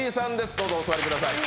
どうぞお座りください